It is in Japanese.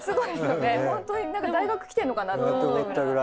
大学来てんのかなって思ったぐらい。